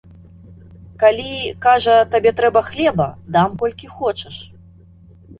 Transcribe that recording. Калі, кажа, табе трэба хлеба, дам колькі хочаш.